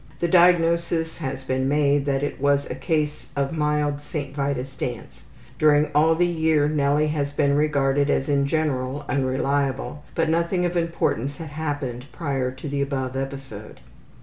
The diagnosis had been made that it was a case of mild St. Vitus dance. During all the year Nellie had been regarded as in general unreliable, but nothing of importance had happened prior to the above episode.